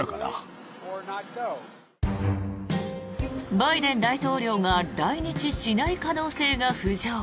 バイデン大統領が来日しない可能性が浮上。